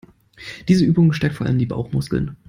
Diese Übung stärkt vor allem die Bauchmuskeln.